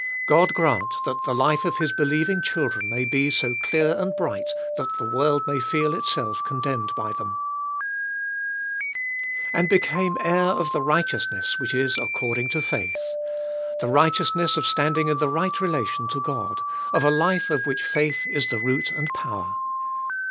God grant that the life of his believing children may be so clear and bright, that the world may feel itself condemned by them ! And became heir of the righteousness which is according to faith, — the righteousness of standing in the right relation to God, of a life of which faith is the root and power.